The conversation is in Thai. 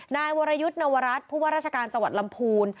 นายวรยุทธ์นวรัฐผู้ว่าราชการจังหวัดลำพูน